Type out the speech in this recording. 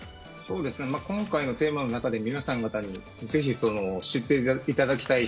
今回のテーマの中で皆さん方にぜひ知っていただきたい